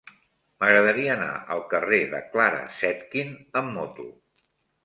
M'agradaria anar al carrer de Clara Zetkin amb moto.